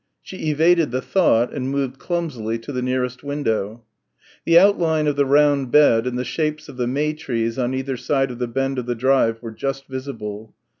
She evaded the thought and moved clumsily to the nearest window. The outline of the round bed and the shapes of the may trees on either side of the bend of the drive were just visible.